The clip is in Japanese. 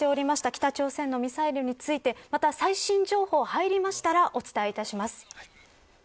北朝鮮のミサイルについてまた最新情報が入りましたらお伝えします。